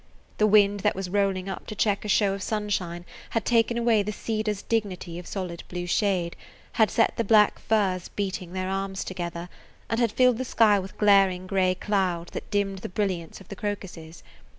The wind that was rolling up to check a show of sunshine had taken away the cedar's dignity of solid blue shade, had set the black firs beating their arms together, and had filled the sky with glaring gray clouds that dimmed the brilliance of the crocuses.